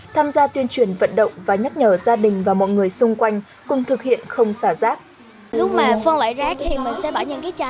tham gia tuyên truyền vận động và nhắc nhở gia đình và mọi người xung quanh cùng thực hiện không xả rác